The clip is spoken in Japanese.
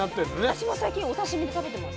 私も最近お刺身で食べてます。